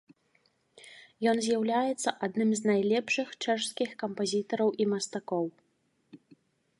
Ён з'яўляецца адным з найлепшых чэшскіх кампазітараў і мастакоў.